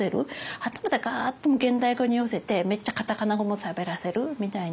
はたまたガッともう現代語に寄せてめっちゃカタカナ語もしゃべらせるみたいな。